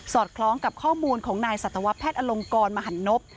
คล้องกับข้อมูลของนายสัตวแพทย์อลงกรมหันนบ